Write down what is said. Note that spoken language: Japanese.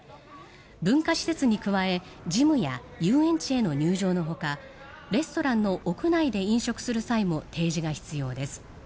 文化施設に加えジムや遊園地への入場のほかレストランの屋内で飲食する際も提示が必要です。